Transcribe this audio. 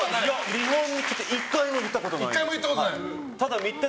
日本に来て１回も言ったことない。